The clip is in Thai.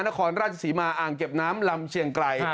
นครราชศรีมาอ่างเก็บน้ำลำเชียงไกล